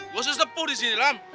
gua sesepuh disini lam